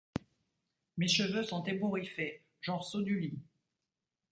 Mes cheveux sont ébouriffés, genre saut du lit.